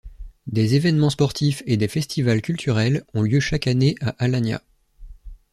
Des événements sportifs et des festivals culturels ont lieu chaque année à Alanya.